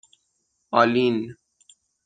آلین